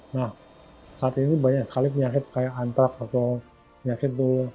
nah saat ini banyak sekali penyakit kayak antrak atau penyakit tuh